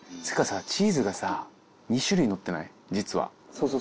そうそう。